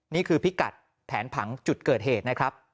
พิกัดแผนผังจุดเกิดเหตุนะครับ